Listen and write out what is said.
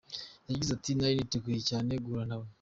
Yagize ati “Nari niteguye cyane guhura nawe.